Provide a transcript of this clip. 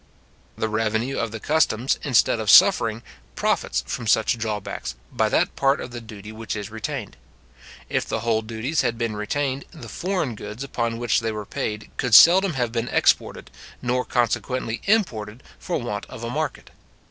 The revenue of the customs, instead of suffering, profits from such drawbacks, by that part of the duty which is retained. If the whole duties had been retained, the foreign goods upon which they are paid could seldom have been exported, nor consequently imported, for want of a market.